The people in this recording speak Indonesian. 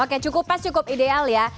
oke cukup pas cukup ideal ya